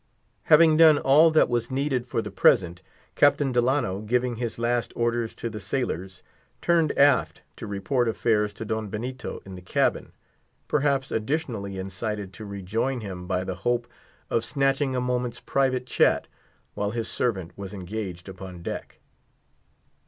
Having done all that was needed for the present, Captain Delano, giving his last orders to the sailors, turned aft to report affairs to Don Benito in the cabin; perhaps additionally incited to rejoin him by the hope of snatching a moment's private chat while the servant was engaged upon deck.